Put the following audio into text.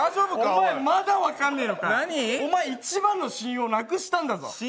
お前、まだ分からないのか、お前、一番の親友なくしたんだｓぞ。